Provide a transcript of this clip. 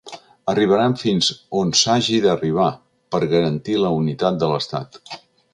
Arribaran fins on s’hagi d’arribar per garantir la unitat de l’estat.